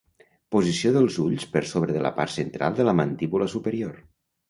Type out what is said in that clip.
Posició dels ulls per sobre de la part central de la mandíbula superior.